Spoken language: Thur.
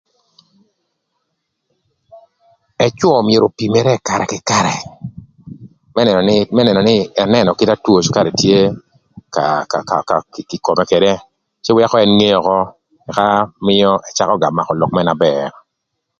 Ëcwö myero opimere karë kï karë, më nënö nï më nënö nï ënënö kita two cükarï tye ka ka ka ï kome ködë, cë wëkö ën ngeo ökö ëka mïö cakö makö lok mërë na bër.